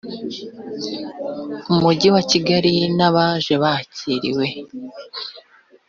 umujyi wa kigali n’abaje bakiriwe